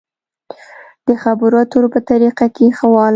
د خبرو اترو په طريقه کې ښه والی.